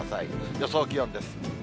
予想気温です。